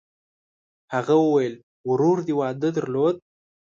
هغه وویل: «ورور دې واده درلود؟»